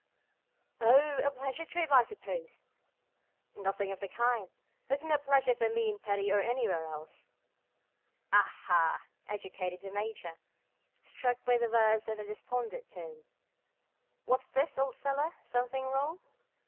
"Oh! a pleasure trip, I suppose." "Nothing of the kind. There's no pleasure for me in Paris or anywhere else." "Aha!" ejaculated the Major, struck by the words, and their despondent tone, "what's this, old fellow? Something wrong?"